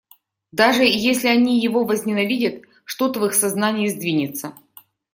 Даже если они его возненавидят, что-то в их сознании сдвинется.